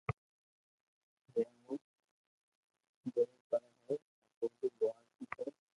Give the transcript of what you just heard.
جي مون زبر پڙي ھي آ ٻولي لوھارڪي ھي